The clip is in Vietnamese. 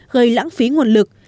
gây lãng phí nguồn lực